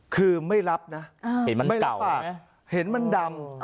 คือไม่รับนะไม่รับเห็นมันดำ